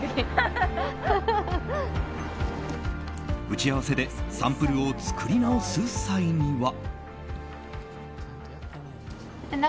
打ち合わせでサンプルを作り直す際には。